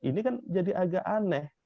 ini kan jadi agak aneh